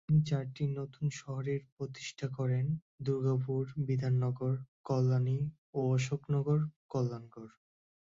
তিনি চারটি নতুন শহরের প্রতিষ্ঠা করেন: দূর্গাপুর, বিধাননগর, কল্যাণী ও অশোকনগর-কল্যাণগড়।